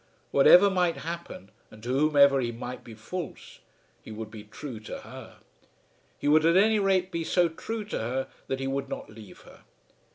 Whatever might happen, and to whomever he might be false, he would be true to her. He would at any rate be so true to her that he would not leave her.